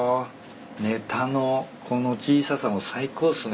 ねたのこの小ささも最高っすね。